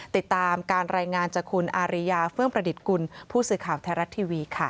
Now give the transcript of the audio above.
ติดตามการรายงานจากคุณอาริยาเฟื่องประดิษฐ์กุลผู้สื่อข่าวไทยรัฐทีวีค่ะ